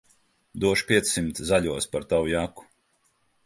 Došu piecsimt zaļos par tavu jaku.